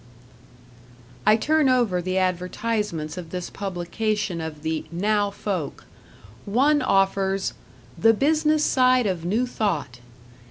I turn over the advertisements of this publication of the "'Now' Folk". One offers "The Business Side of New Thought."